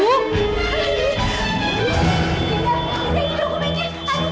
tidak tidak tidak bu bikin